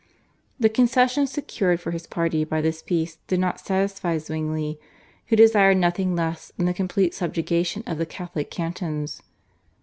The concessions secured for his party by this Peace did not satisfy Zwingli, who desired nothing less than the complete subjugation of the Catholic cantons.